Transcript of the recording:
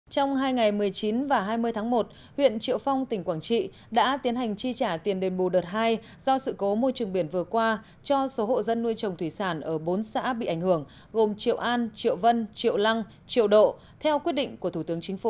trong hai ngày một mươi chín và hai mươi tháng một huyện triệu phong tỉnh quảng trị đã tiến hành chi trả tiền đền bù đợt hai do sự cố môi trường biển vừa qua cho số hộ dân nuôi trồng thủy sản ở bốn xã bị ảnh hưởng gồm triệu an triệu vân triệu lăng triệu độ theo quyết định của thủ tướng chính phủ